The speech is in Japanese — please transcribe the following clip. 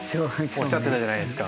おっしゃってたじゃないですか。